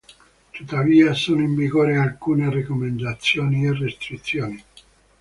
Tuttavia, sono in vigore alcune raccomandazioni e restrizioni.